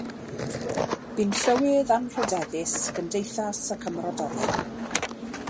Bu'n llywydd Anrhydeddus Gymdeithas y Cymrodorion.